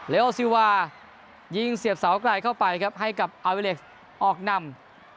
โอซิวายิงเสียบเสาไกลเข้าไปครับให้กับอาวิเล็กซ์ออกนำ